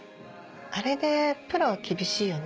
あれでプロは厳しいよね？